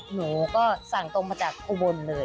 หนูสั่งตรงมาจากขนบนเลย